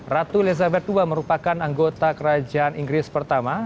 ratu elizabeth ii merupakan anggota kerajaan inggris pertama